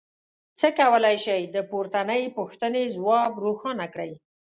څنګه کولی شئ د پورتنۍ پوښتنې ځواب روښانه کړئ.